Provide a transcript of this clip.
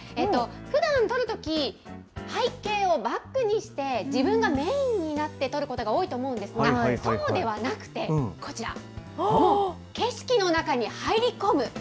ふだん撮るとき、背景をバックにして、自分がメインになって撮ることが多いと思うんですが、そうではなくて、こちら、景色の中に入り込む。